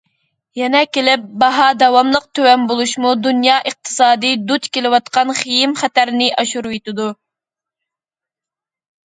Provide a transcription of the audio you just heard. يەنە كېلىپ باھا داۋاملىق تۆۋەن بولۇشمۇ دۇنيا ئىقتىسادى دۇچ كېلىۋاتقان خېيىم خەتەرنى ئاشۇرۇۋېتىدۇ.